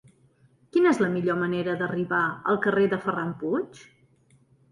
Quina és la millor manera d'arribar al carrer de Ferran Puig?